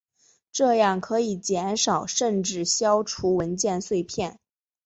这样可以减少甚至消除文件碎片。